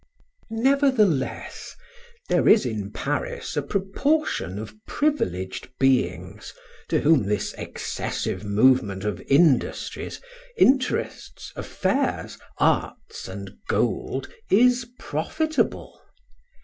Nevertheless, there is in Paris a proportion of privileged beings to whom this excessive movement of industries, interests, affairs, arts, and gold is profitable.